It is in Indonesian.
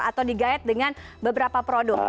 atau di guide dengan beberapa produk